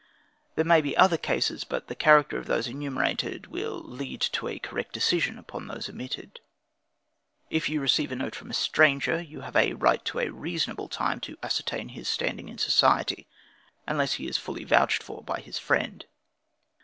There may be other cases, but the character of those enumerated will lead to a correct decision upon those omitted. If you receive a note from a stranger, you have a right to a reasonable time to ascertain his standing in society, unless he is fully vouched for by his friend.